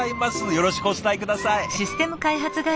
よろしくお伝え下さい。